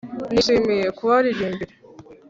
Nishimiye kubaririmbira